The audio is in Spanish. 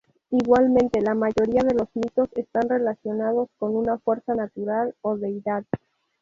Igualmente, la mayoría de los mitos están relacionados con una fuerza natural o deidad.